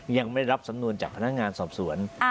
ยังไม่รับสำนวนจากพนักงานสอบสวน